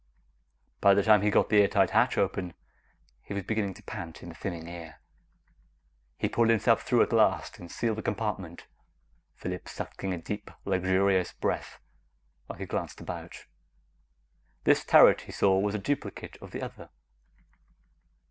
By the time he got the airtight hatch open, he was beginning to pant in the thinning air. He pulled himself through at last, and sealed the compartment. Phillips sucked in a deep, luxurious breath while he glanced about. This turret, he saw, was a duplicate of the other.